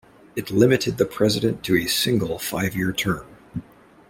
It limited the president to a single five-year term.